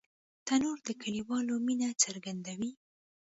تنور د کلیوالو مینه څرګندوي